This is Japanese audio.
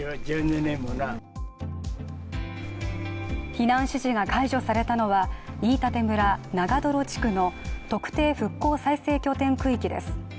避難指示が解除されたのは、飯舘村・長泥地区の特定復興再生拠点区域です。